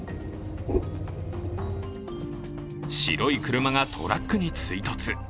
白い車がトラックに追突。